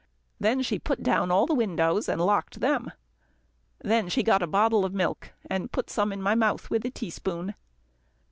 Then she put down all the windows, and locked them. Then she got a bottle of milk, and put some in my mouth with a teaspoon.